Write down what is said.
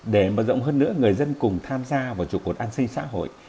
để mở rộng hơn nữa người dân cùng tham gia vào trụ cột an sinh xã hội